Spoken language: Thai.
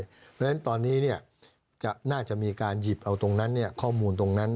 เพราะฉะนั้นตอนนี้น่าจะมีการหยิบเอาตรงนั้นข้อมูลตรงนั้น